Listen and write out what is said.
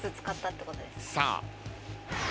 さあ。